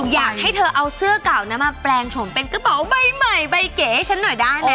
อยากให้เธอเอาเสื้อเก่านั้นมาแปลงโฉมเป็นกระเป๋าใบใหม่ใบเก๋ให้ฉันหน่อยได้ไหม